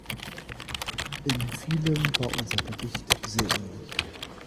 In vielem war unser Bericht sehr ähnlich.